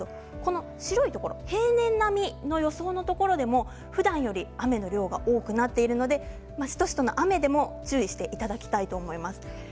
白いところは平年並みの予想のところでも、ふだんより雨の量が多くなっていますのでシトシトな雨でも注意していただきたいと思います。